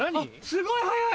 すごい速い。